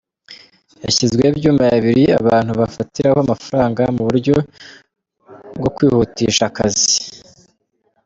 Yashyizweho ibyuma bibiri abantu bafatiraho amafaranga mu buryo bwo kwihutisha akazi.